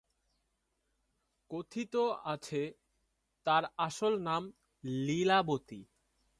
কথিত আছে তার আসল নাম লীলাবতী।